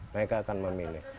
mereka akan memilih